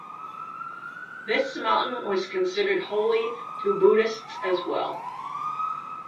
This mountain was considered holy to Buddhists as well.